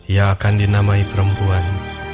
ia akan dinamai perempuan